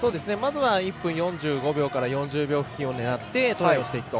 まずは１分４５秒から４０秒付近を狙ってトライをする。